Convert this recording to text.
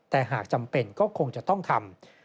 แต่หากจำเป็นก็คงจะต้องทำ